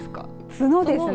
角ですね。